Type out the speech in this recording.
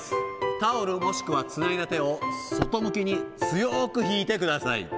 タオル、もしくはつないだ手を外向きに強く引いてください。